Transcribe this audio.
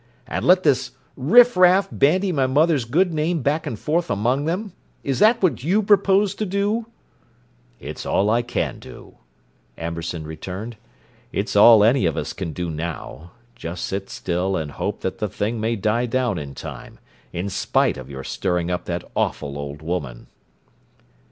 "—and let this riffraff bandy my mother's good name back and forth among them? Is that what you propose to do?" "It's all I can do," Amberson returned. "It's all any of us can do now: just sit still and hope that the thing may die down in time, in spite of your stirring up that awful old woman."